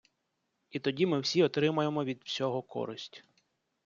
І тоді ми всі отримаємо від всього користь.